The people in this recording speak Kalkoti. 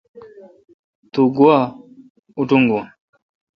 تو گوا اتونگون۔